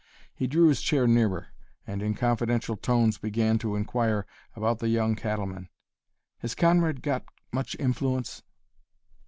He drew his chair nearer and in confidential tones began to inquire about the young cattleman: "Has Conrad got much influence?"